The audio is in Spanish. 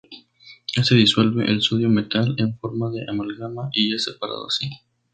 Este disuelve el sodio metal en forma de amalgama y es separado así.